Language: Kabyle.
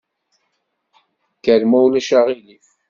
Kker ma ulac aɣilif.